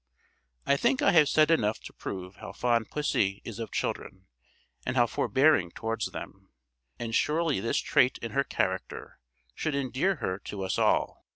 I think I have said enough to prove how fond pussy is of children, and how forbearing towards them; and surely this trait in her character should endear her to us all.